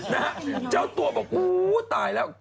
นะครับเจ้าตัวบอกกู๊ตายแล้ว